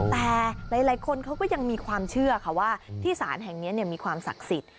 แต่หลายคนเขาก็ยังมีความเชื่อค่ะว่าที่ศาลแห่งนี้มีความศักดิ์สิทธิ์